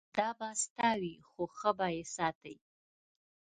دا به ستا وي خو ښه به یې ساتې.